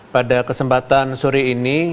pada kesempatan sore ini